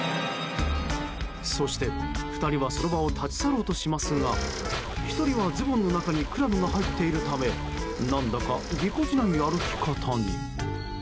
そして２人はその場を立ち去ろうとしますが１人はズボンの中にクラブが入っているため何だか、ぎこちない歩き方に。